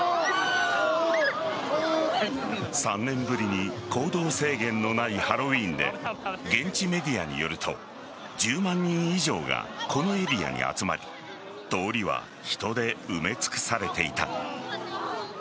３年ぶりに行動制限のないハロウィーンで現地メディアによると１０万人以上がこのエリアに集まり通りは人で埋め尽くされていた。